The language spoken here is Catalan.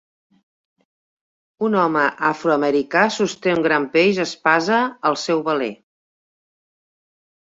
Un home afroamericà sosté un gran peix espasa al seu veler.